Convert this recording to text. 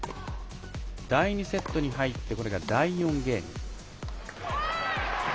第２セットに入ってこれが第４ゲーム。